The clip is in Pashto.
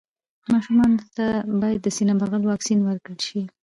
ماشومانو ته باید د سینه بغل واکسين ورکړل شي.